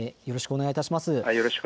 よろしくお願いします。